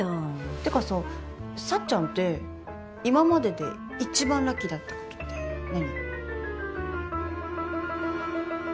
てかさ幸ちゃんって今までで一番ラッキーだったことって何？